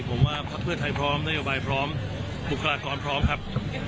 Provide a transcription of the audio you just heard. ผมว่าพักเพื่อไทยพร้อมนโยบายพร้อมบุคลากรพร้อมครับ